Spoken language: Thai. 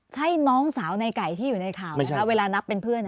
ใช่น้องสาวในไก่ที่อยู่ในข่าวไหมคะเวลานับเป็นเพื่อน